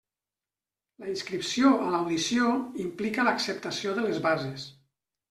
La inscripció a l'audició implica l'acceptació de les bases.